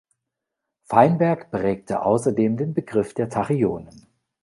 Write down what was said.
Feinberg prägte außerdem den Begriff der Tachyonen.